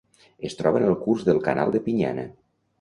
Es troba en el curs del canal de Pinyana.